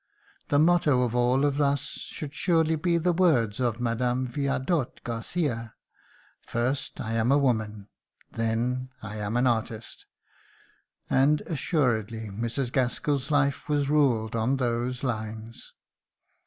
The motto of all of us should surely be the words of Mme. Viardot Garcia: "First I am a woman ... then I am an artist." And assuredly Mrs. Gaskell's life was ruled on those lines.